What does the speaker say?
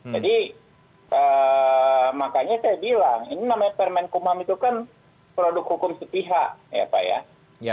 jadi makanya saya bilang ini namanya permen hukum ham itu kan produk hukum setihak ya pak ya